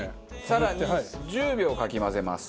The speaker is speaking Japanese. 更に１０秒かき混ぜます。